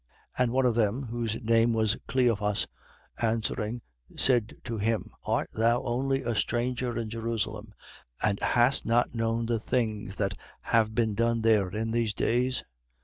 24:18. And the one of them, whose name was Cleophas, answering, said to him: Art thou only a stranger in Jerusalem, and hast not known the things that have been done there in these days?